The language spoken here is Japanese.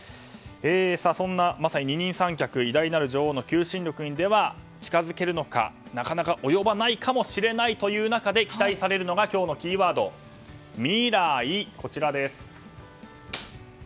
そんな二人三脚偉大なる女王の求心力に近づけるのかなかなか及ばないかもしれないという中で期待されるのが今日のキーワードミライです。